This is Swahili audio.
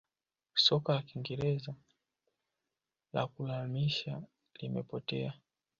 soka la kingereza la kulazimisha limepotea